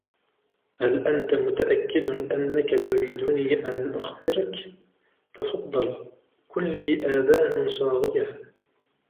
" هل أنت متأكد أنك تريدني أن أخبرك ؟"" تفضل ، كلي آذان صاغية! "